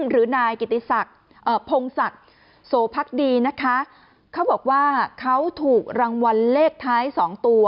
หรือนายกิติศักดิ์พงศักดิ์โสพักดีนะคะเขาบอกว่าเขาถูกรางวัลเลขท้ายสองตัว